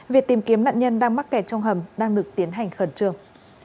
việc tìm kiếm nạn nhân đang mắc kẹt trong hầm đang được tiến hành khẩn trương